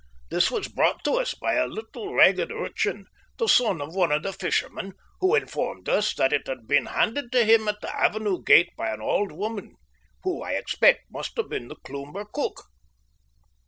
This was brought us by a little, ragged urchin, the son of one of the fishermen, who informed us that it had been handed to him at the avenue gate by an old woman who, I expect, must have been the Cloomber cook.